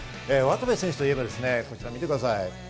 渡部選手といえば、こちら見てください。